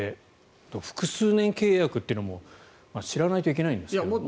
複数年契約というのも知らないといけないんですが。